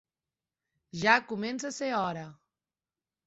Ja comença a ser hora